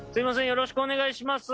よろしくお願いします